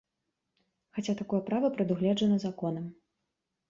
Хаця такое права прадугледжана законам.